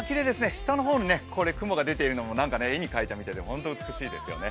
下の方に雲が出ているのも絵に描いたようで本当に美しいですね。